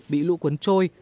bị lũ cuốn trôi